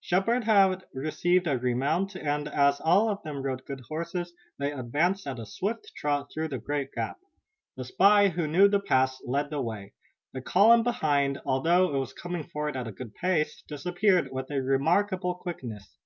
Shepard had received a remount, and, as all of them rode good horses, they advanced at a swift trot through the great gap. The spy, who knew the pass, led the way. The column behind, although it was coming forward at a good pace, disappeared with remarkable quickness.